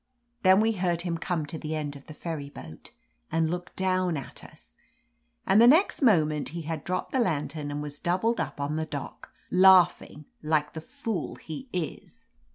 Then we heard him come to the end of the ferry boat and look down at us, and the next moment he had dropped the lantern and was doubled up on the dock, laughing like the fool he is.